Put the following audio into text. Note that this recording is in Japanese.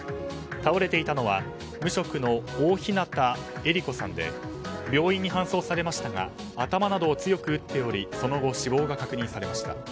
倒れていたのは無職の大日向ヱリ子さんで病院に搬送されましたが頭などを強く打っておりその後、死亡が確認されました。